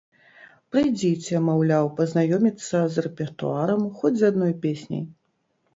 Прыйдзіце, маўляў, пазнаёміцца з рэпертуарам, хоць з адной песняй.